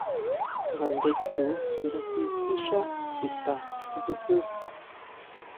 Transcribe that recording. Ngandé chu nyají sixá chuta nchujun.